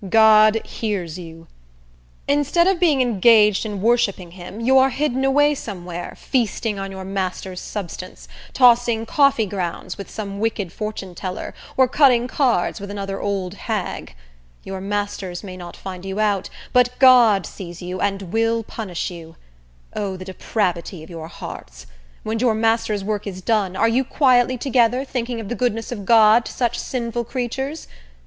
God hears you. Instead of being engaged in worshipping him, you are hidden away somewhere, feasting on your master's substance; tossing coffee grounds with some wicked fortuneteller, or cutting cards with another old hag. Your masters may not find you out, but God sees you, and will punish you. O, the depravity of your hearts! When your master's work is done, are you quietly together, thinking of the goodness of God to such sinful creatures?